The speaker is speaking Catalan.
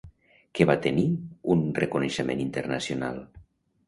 Què va tenir un reconeixement internacional?